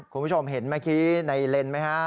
คุณผู้ชมเห็นเมื่อกี้ในเลนส์ไหมฮะ